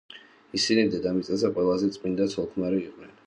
ისინი დედამიწაზე ყველაზე წმინდა ცოლ-ქმარი იყვნენ.